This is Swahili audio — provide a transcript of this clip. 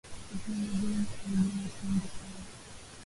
Teknolojia imesaidia watu wengi sana